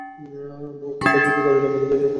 কুত্তা, জেদী গরিলার মতো ঝাপিয়ে পড়ব এবার।